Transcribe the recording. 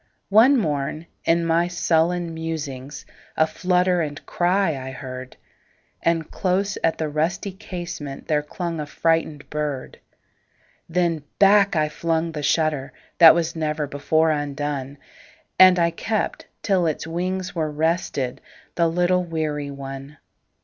One morn, in my sullen musings,A flutter and cry I heard; And close at the rusty casementThere clung a frightened bird. Then back I flung the shutterThat was never before undone, And I kept till its wings were restedThe little weary one.